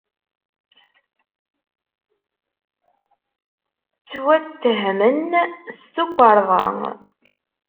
Ttwattehmen s tukerḍa.